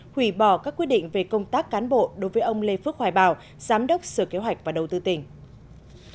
hủy bỏ các quyết định về công tác cán bộ đối với ông lê phước hoài bảo giám đốc sở kế hoạch và đầu tư tỉnh